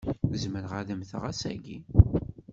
Zemreɣ ad mmteɣ ass-agi.